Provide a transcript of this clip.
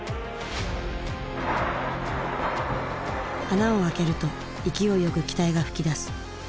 穴を開けると勢いよく気体が噴き出す。